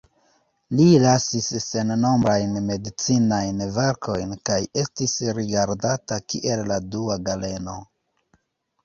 Li lasis sennombrajn medicinajn verkojn kaj estis rigardata kiel la dua Galeno.